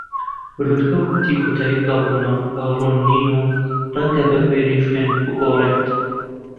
لووتکە و کاتی کۆتایی بڵاو بوونەوەکە ڕوون نین و ڕەنگە بەگوێرەی شوێن بگۆڕێت.